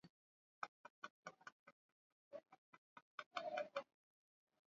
meli ilitoka southampton na abiria mia tisa arobaini na tatu